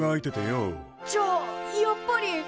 じゃあやっぱり。